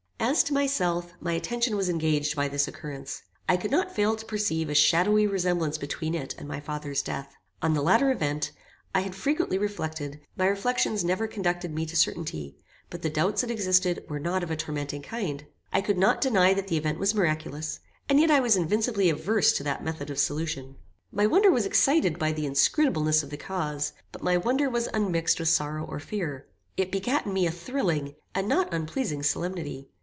As to myself, my attention was engaged by this occurrence. I could not fail to perceive a shadowy resemblance between it and my father's death. On the latter event, I had frequently reflected; my reflections never conducted me to certainty, but the doubts that existed were not of a tormenting kind. I could not deny that the event was miraculous, and yet I was invincibly averse to that method of solution. My wonder was excited by the inscrutableness of the cause, but my wonder was unmixed with sorrow or fear. It begat in me a thrilling, and not unpleasing solemnity.